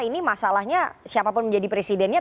ini masalahnya siapapun menjadi presidennya